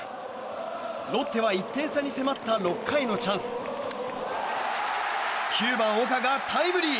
ロッテは１点差に迫った６回のチャンス９番、岡がタイムリー。